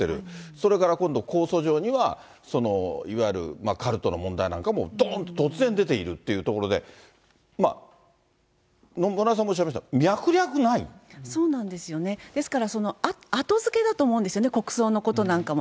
それから今度、控訴状にはいわゆるカルトの問題なんかも、どーんと突然出ているというところで、野村さんもおっしゃいましそうなんですよね、ですからその後付けだと思うんですよね、国葬のことなんかも。